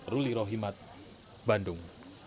ruli rohimat bandung